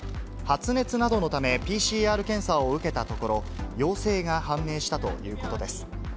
発熱などのため、ＰＣＲ検査を受けたところ、陽性が判明したということです。